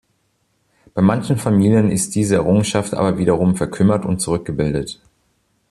Bei manchen Familien ist diese Errungenschaft aber wiederum verkümmert und zurückgebildet.